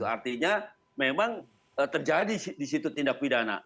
artinya memang terjadi di situ tindak pidana